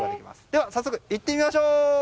では早速、行ってみましょう！